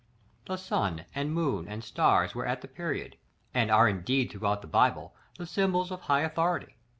The sun, and moon, and stars were at the period, and are indeed throughout the Bible, the symbols of high authority.